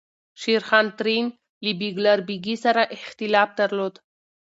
شېرخان ترین له بیګلربیګي سره اختلاف درلود.